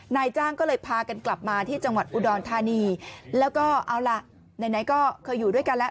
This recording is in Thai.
นายจ้างก็เลยพากันกลับมาที่จังหวัดอุดรธานีแล้วก็เอาล่ะไหนก็เคยอยู่ด้วยกันแล้ว